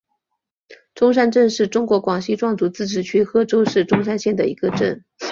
钟山镇是中国广西壮族自治区贺州市钟山县的一个镇。